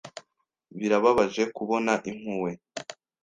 Birababaje kubona impuhwe.